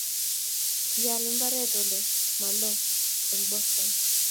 kial imbaret ole malo eng Boston